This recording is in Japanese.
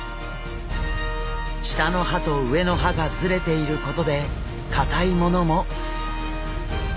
下の歯と上の歯がズレていることで硬いものも。